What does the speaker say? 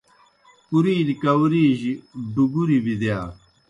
پُرِیلِیْ کاؤری جیْ ڈُگُریْ بِدِیا۔